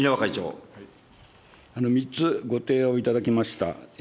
３つご提案をいただきました。